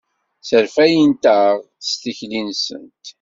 Sserfayent-aɣ s tikli-nsent.